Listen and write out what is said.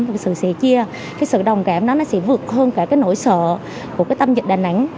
một sự sẻ chia cái sự đồng cảm đó nó sẽ vượt hơn cả cái nỗi sợ của cái tâm dịch đà nẵng